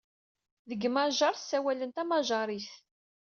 Deg Majaṛ, ssawalen tamajaṛit.